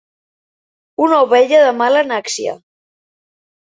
Una ovella de mala nàcsia.